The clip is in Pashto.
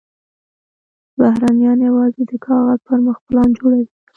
بهرنیان یوازې د کاغذ پر مخ پلان جوړوي.